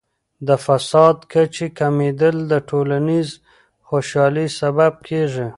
د فساد کچې کمیدل د ټولنیز خوشحالۍ سبب کیږي.